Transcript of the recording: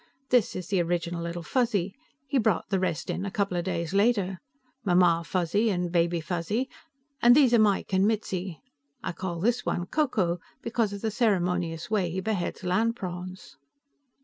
"This is the original, Little Fuzzy. He brought the rest in a couple of days later. Mamma Fuzzy, and Baby Fuzzy. And these are Mike and Mitzi. I call this one Ko Ko, because of the ceremonious way he beheads land prawns."